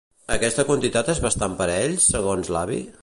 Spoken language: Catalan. Aquesta quantitat és bastant per ells, segons l'avi?